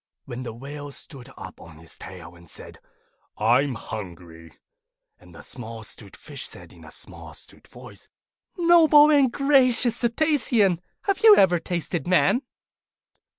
Then the Whale stood up on his tail and said, 'I'm hungry.' And the small 'Stute Fish said in a small 'stute voice, 'Noble and generous Cetacean, have you ever tasted Man?